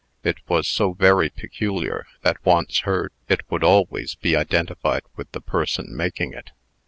It was so very peculiar, that, once heard, it would always be identified with the person making it.